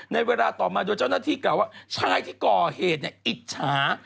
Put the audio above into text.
ในเวลาต่อมาโดยเจ้าหน้าที่กล่าวว่าชายที่ก่อเหตุอิจฉา